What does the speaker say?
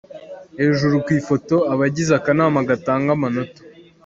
Hejuru ku ifoto: Abagize akanama gatanga amanota.